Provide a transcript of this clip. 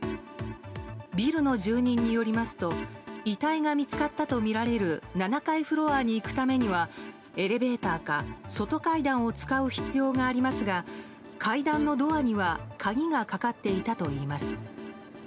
ビルの住人によりますと遺体が見つかったとみられる７階フロアに行くためにはエレベーターか外階段を使う必要がありますが階段のドアには鍵がかかっていたといいます。